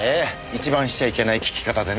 一番しちゃいけない聞き方でね。